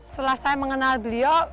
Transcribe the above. setelah saya mengenal beliau